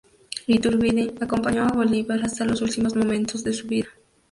Iturbide acompañó a Bolívar hasta los últimos momentos de su vida.